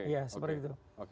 ya seperti itu